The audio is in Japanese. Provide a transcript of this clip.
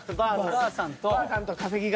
「ばぁさん」と「稼ぎ頭」。